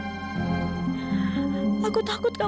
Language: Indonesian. r element dari kabuk saya